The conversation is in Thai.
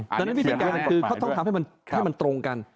ดังนั้นวิธีการคือเขาต้องทำให้มันตรงกัน